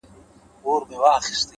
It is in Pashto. پوهه د فکر ژورتیا زیاتوي.!